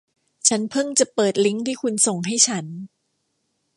ฉันเพิ่งจะเปิดลิงค์ที่คุณส่งให้ฉัน